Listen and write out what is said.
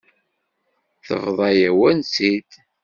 Tebḍa-yawen-tt-id.